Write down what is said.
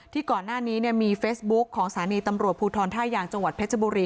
ก่อนหน้านี้มีเฟซบุ๊คของสถานีตำรวจภูทรท่ายางจังหวัดเพชรบุรี